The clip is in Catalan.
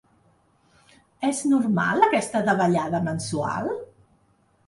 És normal aquesta davallada mensual?